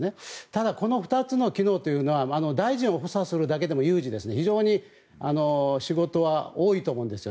ただ、この２つの機能というのは大臣を補佐するだけでも有事で非常に仕事は多いと思うんです。